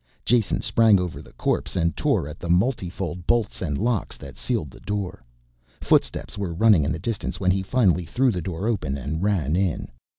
Jason sprang over the corpse and tore at the multifold bolts and locks that sealed the door. Footsteps were running in the distance when he finally threw the door open and ran in.